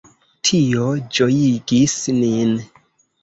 Tio ĝojigis nin.